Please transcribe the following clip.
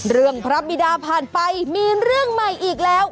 พระบิดาผ่านไปมีเรื่องใหม่อีกแล้ว